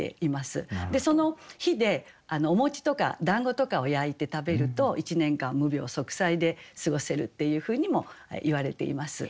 でその火でおとかだんごとかを焼いて食べると１年間無病息災で過ごせるっていうふうにもいわれています。